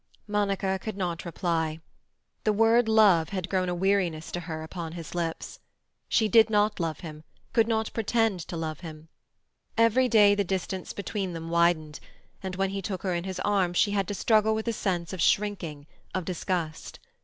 Monica could not reply. That word "love" had grown a weariness to her upon his lips. She did not love him; could not pretend to love him. Every day the distance between them widened, and when he took her in his arms she had to struggle with a sense of shrinking, of disgust.